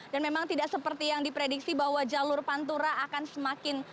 dan memang tidak seperti yang diprediksi bahwa jalur pantura akan semakin